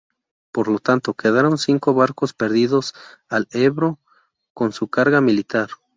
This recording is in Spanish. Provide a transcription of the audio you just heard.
Por lo tanto, quedaron cinco barcos perdidos al Ebro con su carga militar.